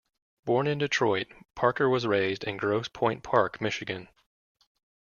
Born in Detroit, Parker was raised in Grosse Pointe Park, Michigan.